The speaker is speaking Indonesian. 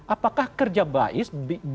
apakah kerja bais